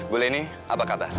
bu leni apa kabar